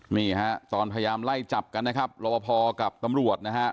นี่ฮะตอนพยายามไล่จับกันนะครับรอบพอกับตำรวจนะฮะ